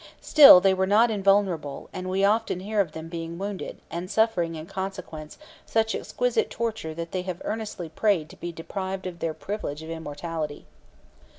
Still, they were not invulnerable, and we often hear of them being wounded, and suffering in consequence such exquisite torture that they have earnestly prayed to be deprived of their privilege of immortality.